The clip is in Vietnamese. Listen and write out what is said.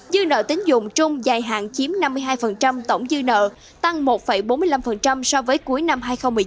dư nợ tính dụng trung dài hạn chiếm năm mươi hai tổng dư nợ tăng một bốn mươi năm so với cuối năm hai nghìn một mươi chín